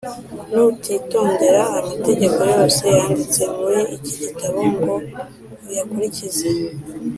nutitondera amategeko yose yanditse muri iki gitabo ngo uyakurikize,+